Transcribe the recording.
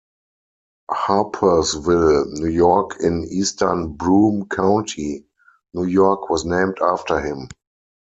Harpursville, New York in Eastern Broome County, New York was named after him.